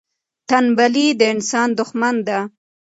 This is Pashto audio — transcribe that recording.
تنبلي د انسان دښمن ده.